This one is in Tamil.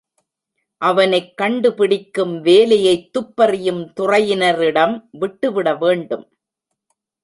அவனைக் கண்டுபிடிக்கும் வேலையைத் துப்பறியும் துறையினரிடம் விட்டுவிட வேண்டும்.